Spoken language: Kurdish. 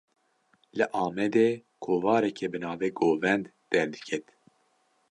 Li Amedê, kovareke bi navê "Govend" derdiket